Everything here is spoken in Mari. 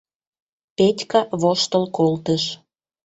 — Петька воштыл колтыш.